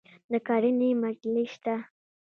د کرنې مجلې شته؟